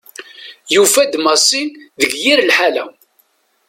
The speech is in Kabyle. Yufa-d Massi deg yir lḥala.